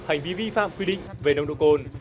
hành vi vi phạm quy định về nồng độ cồn